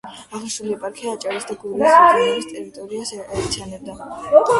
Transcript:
აღნიშნული ეპარქია აჭარის და გურიის რეგიონების ტერიტორიას აერთიანებდა.